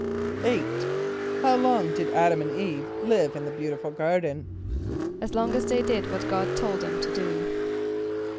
= =8.= How long did [)A]d´[)a]m and [=E]ve live in the beautiful garden? =As long as they did what God told them to do.